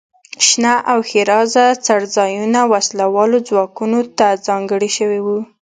شنه او ښېرازه څړځایونه وسله والو ځواکونو ته ځانګړي شوي وو.